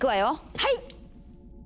はい！